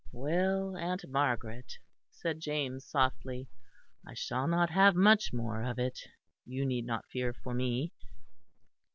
"Well, aunt Margaret," said James softly, "I shall not have much more of it. You need not fear for me."